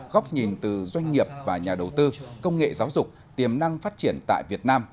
góc nhìn từ doanh nghiệp và nhà đầu tư công nghệ giáo dục tiềm năng phát triển tại việt nam